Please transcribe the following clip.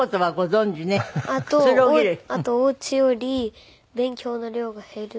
あとお家より勉強の量が減る。